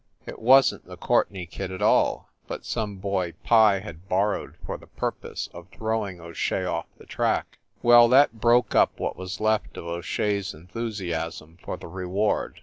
It wasn t the Courtenay kid at all, but some boy Pye had borrowed for the purpose of throwing O Shea off the track. Well, that broke up what was left of O Shea s enthusiasm for the reward.